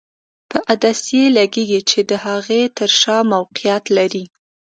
په عدسیې لګیږي چې د هغې تر شا موقعیت لري.